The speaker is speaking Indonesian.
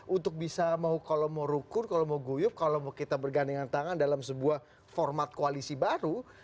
untuk bisa mau kalau mau rukun kalau mau guyup kalau mau kita bergandingan tangan dalam sebuah format koalisi baru